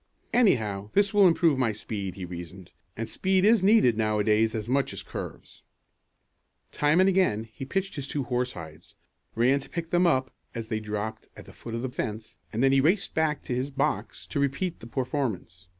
"Anyhow this will improve my speed," he reasoned, "and speed is needed now a days as much as curves." Time and again he pitched his two horsehides, ran to pick them up as they dropped at the foot of the fence, and then he raced back to his "box" to repeat the performance.